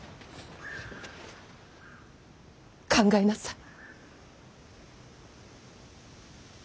考えなさい。